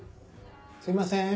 すいません。